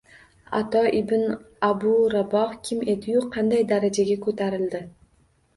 Ato ibn Abu Raboh kim ediyu, qanday darajaga ko‘tarildi